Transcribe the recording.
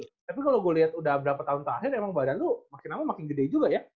tapi kalo gua liat udah berapa tahun ke akhir emang badan lu makin lama makin gede juga ya